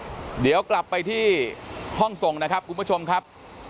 ก็ต้องดูกันยาวเดี๋ยวกลับไปที่ห้องทรงนะครับคุณผู้ชมครับ